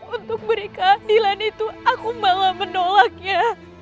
untuk berikan keadilan itu aku malah menolaknya